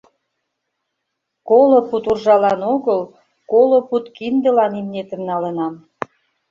Коло пуд уржалан огыл, коло пуд киндылан имнетым налынам...